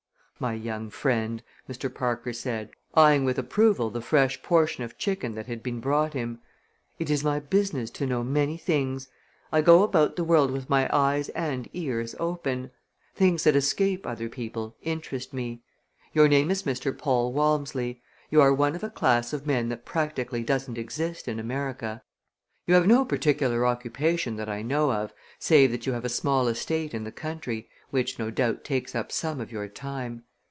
"My young friend," Mr. Parker said, eying with approval the fresh portion of chicken that had been brought him, "it is my business to know many things. I go about the world with my eyes and ears open. Things that escape other people interest me. Your name is Mr. Paul Walmsley. You are one of a class of men that practically doesn't exist in America. You have no particular occupation that I know of, save that you have a small estate in the country, which no doubt takes up some of your time.